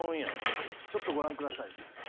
はいちょっとご覧ください。